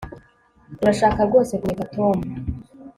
Urashaka rwose kuneka Tom